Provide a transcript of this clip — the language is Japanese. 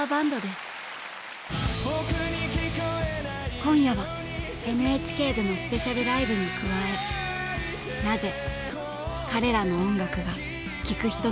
今夜はＮＨＫでのスペシャルライブに加え「なぜ彼らの音楽が聴く人の心を捉えて離さないのか」。